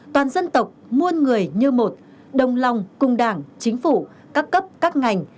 toàn dân tộc muôn người như một đồng lòng cùng đảng chính phủ các cấp các ngành